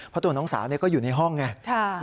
เพราะตัวน้องสาวก็อยู่ในห้องไง